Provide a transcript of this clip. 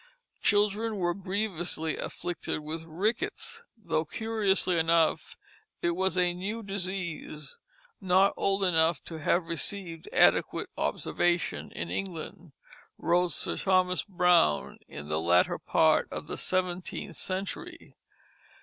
Children were grievously afflicted with rickets, though curiously enough it was a new disease, not old enough to have received adequate observation in England, wrote Sir Thomas Browne in the latter part of the seventeenth century.